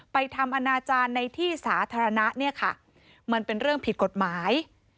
ทำอนาจารย์ในที่สาธารณะเนี่ยค่ะมันเป็นเรื่องผิดกฎหมาย